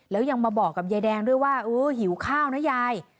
แล้วยังมาบอกกับยายแดงด้วยว่าเออหิวข้าวนะยาย